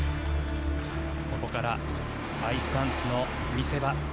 ここからアイスダンスの見せ場。